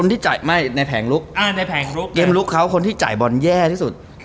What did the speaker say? ต่างจากคนที่จ่ายบอลที่แย่ที่สุด